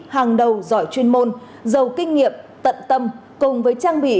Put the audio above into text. hàng đầu giỏi chuyên môn giàu kinh nghiệm tận tâm cùng với trang bị